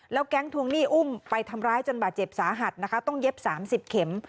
แก๊งทวงหนี้อุ้มไปทำร้ายจนบาดเจ็บสาหัสนะคะต้องเย็บ๓๐เข็ม